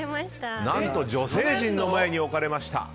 何と女性陣の前に置かれました。